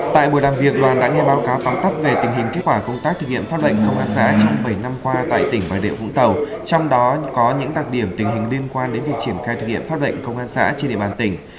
tại buổi làm việc đoàn đã nghe báo cáo tóm tắt về tình hình kết quả công tác thực hiện pháp lệnh công an xã trong bảy năm qua tại tỉnh bà địa vũng tàu trong đó có những đặc điểm tình hình liên quan đến việc triển khai thực hiện pháp lệnh công an xã trên địa bàn tỉnh